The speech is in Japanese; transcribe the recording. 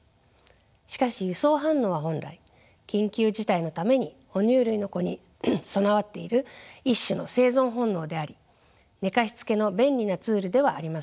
しかし輸送反応は本来緊急事態のために哺乳類の子に備わっている一種の生存本能であり寝かしつけの便利なツールではありません。